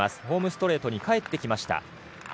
ホームストレートに帰ってきました。